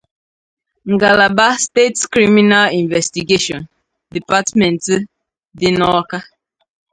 ngalaba State Criminal Investigation Department dị n'Awka